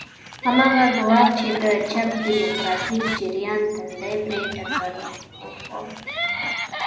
هماغه ګواښ چې د چپ ډیموکراتیک جریان تندی پرې ټکر وخوړ.